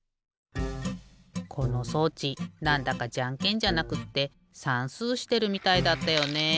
この装置なんだかじゃんけんじゃなくってさんすうしてるみたいだったよね。